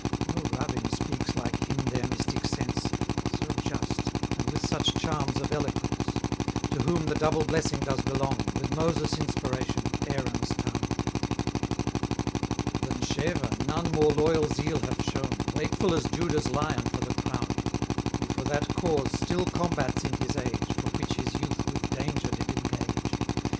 1020 No rabbin speaks like him their mystic sense, So just, and with such charms of eloquence: To whom the double blessing does belong, With Moses' inspiration, Aaron's tongue. Than Sheva none more loyal zeal have shown, Wakeful as Judah's lion for the crown; Who for that cause still combats in his age, For which his youth with danger did engage.